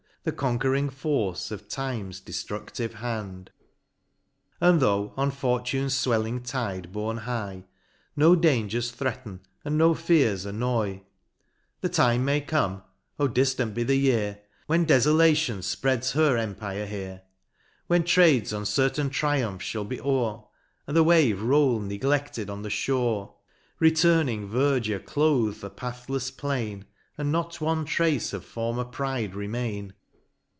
The conquering force of time's deftrudlive hand. And tho' on fortune's fwelling tide borne high, No dangers threaten, and no fears annoy j The 54 MOUNT PLEASANT. The time may come, — (O diftant be the year) When dcfolation fpreads her empire here. When Trade's uncertain triumph fhall be o'er, And the wave roll ncgle6led on the fliore ; Returning verdure cloathe the pathlefs plain, And not one trace of former pride remain.